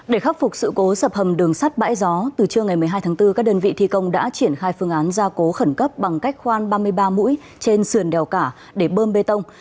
để khắc phục sự cố sập hầm đường sắt bãi gió từ trưa ngày một mươi hai tháng bốn các đơn vị thi công đã triển khai phương án gia cố khẩn cấp bằng cách khoan ba mươi ba mũi trên sườn đèo cả để bơm bê tông